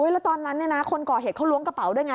แล้วตอนนั้นคนก่อเหตุเขาล้วงกระเป๋าด้วยไง